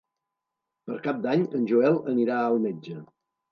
Per Cap d'Any en Joel anirà al metge.